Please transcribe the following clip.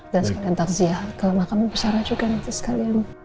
dan sekalian tak siap ke makam ibu sarah juga nanti sekalian